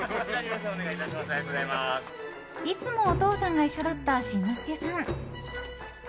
いつも、お父さんが一緒だった新之助さん。